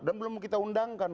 dan belum kita undangkan